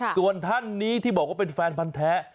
ส่วนท่านนี้ที่บอกว่าเป็นแฟนพันธ์แท้